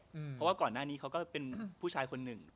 เพราะว่าก่อนหน้านี้เขาก็เป็นผู้ชายคนหนึ่ง